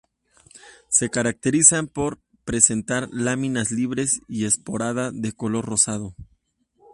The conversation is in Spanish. Se caracterizan por presentar láminas libres y esporada de color rosado.